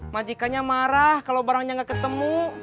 majikanya marah kalo barangnya gak ketemu